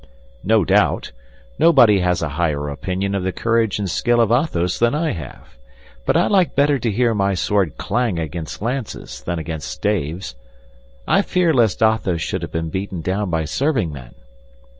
"No doubt. Nobody has a higher opinion of the courage and skill of Athos than I have; but I like better to hear my sword clang against lances than against staves. I fear lest Athos should have been beaten down by serving men.